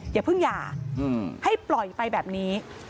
อย่าเพิ่งหย่าให้ปล่อยไปแบบนี้